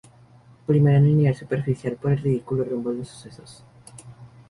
Primero en el nivel superficial, por el ridículo rumbo de los sucesos.